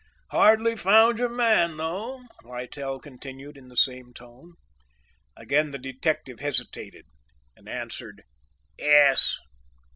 "Hardly found your man, though?" Littell continued in the same tone: Again the detective hesitated and answered, "Yes."